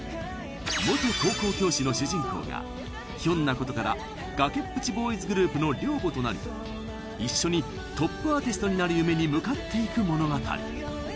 元高校教師の主人公がひょんなことから崖っぷちボーイズグループの寮母となり一緒にトップアーティストになる夢に向かっていく物語